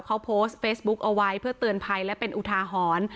เขาโพสต์เฟซบุ๊กเอาไว้เพื่อเตือนภัยและเป็นอุทาหรณ์